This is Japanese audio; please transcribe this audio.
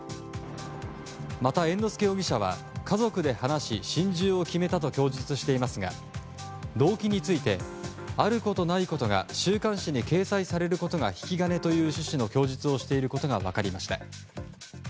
また、猿之助容疑者は家族で話し心中を決めたと供述していますが動機についてあることないことが週刊誌に掲載されることが引き金という趣旨の供述をしていることが分かりました。